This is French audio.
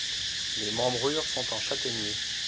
Les membrures sont en châtaignier.